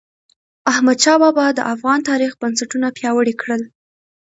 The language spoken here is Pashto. احمدشاه بااب د افغان تاریخ بنسټونه پیاوړي کړل.